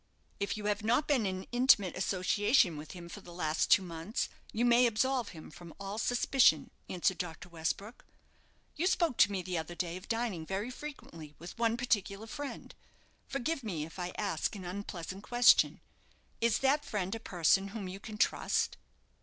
"If you have not been in intimate association with him for the last two months, you may absolve him from all suspicion," answered Dr. Westbrook. "You spoke to me the other day of dining very frequently with one particular friend; forgive me if I ask an unpleasant question. Is that friend a person whom you can trust?"